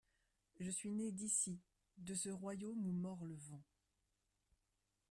Je suis né d’ici, de ce royaume où mord le vent.